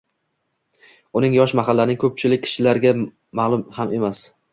Uning “yoshi” mahallaning ko’pchilik kishilariga ma’lum ham emas.